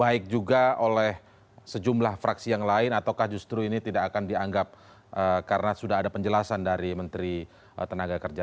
baik juga oleh sejumlah fraksi yang lain ataukah justru ini tidak akan dianggap karena sudah ada penjelasan dari menteri tenaga kerja